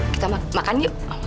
kita makan yuk